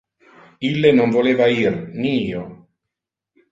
Ille non voleva ir, ni io.